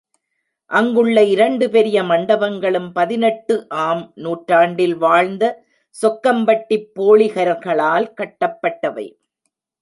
அங்குள்ள இரண்டு பெரிய மண்டபங்களும் பதினெட்டு ஆம் நூற்றாண்டில் வாழ்ந்த சொக்கம்பட்டிப் போளிகர்களால் கட்டப்பட்டவை.